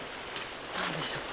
何でしょう。